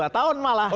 dua tahun malah